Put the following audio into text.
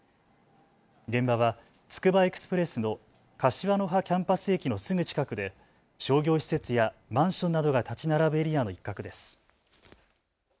現場はつくばエクスプレスの柏の葉キャンパス駅のすぐ近くで商業施設やマンションなどが建ち並ぶエリアの一角です。